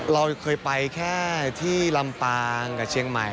เราเคยไปแค่ที่ลำปางกับเชียงใหม่